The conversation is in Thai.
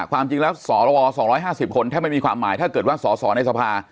ความจริงแล้วสรว๒๕๐คนแทบไม่มีความหมายถ้าเกิดว่าสอสอในสภา